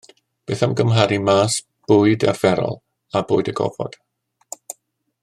Beth am gymharu màs bwyd arferol â bwyd y gofod?